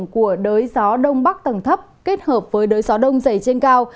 của đới gió đông bắc tầng thấp kết hợp với đới gió đông dày trên cao